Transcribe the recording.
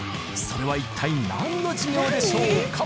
それは一体何の授業でしょうか？